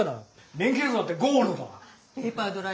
免許証だってゴールドだ！